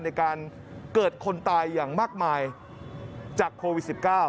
ในการเกิดคนตายอย่างมากมายจากโควิด๑๙